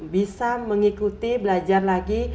bisa mengikuti belajar lagi